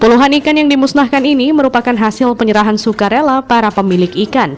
puluhan ikan yang dimusnahkan ini merupakan hasil penyerahan sukarela para pemilik ikan